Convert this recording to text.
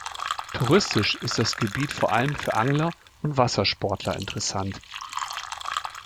Touristisch ist das Gebiet vor allem für Angler und Wassersportler interessant.